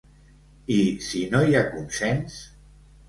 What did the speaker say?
I si no hi ha consens?